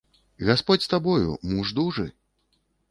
Гасподзь з табою, муж дужы!